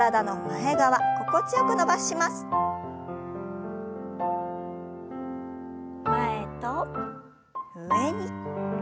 前と上に。